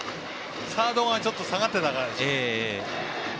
サードがちょっと下がっていたからですね。